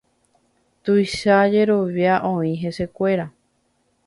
Tuicha jerovia oĩ hesekuéra.